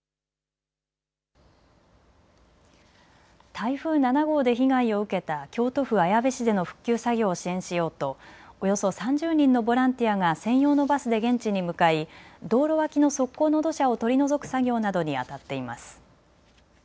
台風７号で被害を受けた京都府綾部市での復旧作業を支援しようとおよそ３０人のボランティアが専用のバスで現地に向かい、道路脇の側溝の土砂を取り除く作業などにあたっています。